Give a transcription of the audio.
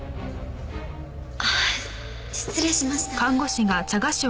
あっ失礼しました。